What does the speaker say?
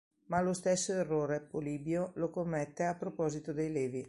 Ma lo stesso errore Polibio lo commette a proposito dei Levi.